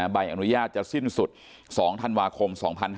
ใบอนุญาตจะสิ้นสุด๒ธันวาคม๒๕๕๙